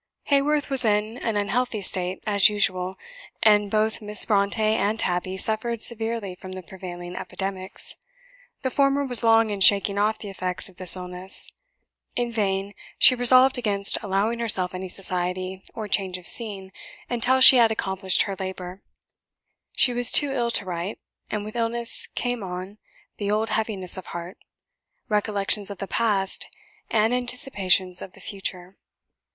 Haworth was in an unhealthy state, as usual; and both Miss Brontë and Tabby suffered severely from the prevailing epidemics. The former was long in shaking off the effects of this illness. In vain she resolved against allowing herself any society or change of scene until she had accomplished her labour. She was too ill to write; and with illness came on the old heaviness of heart, recollections of the past, and anticipations of the future.